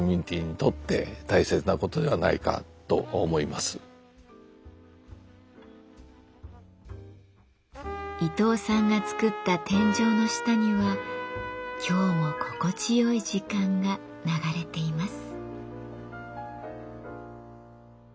ですからあの伊東さんがつくった天井の下には今日も心地よい時間が流れています。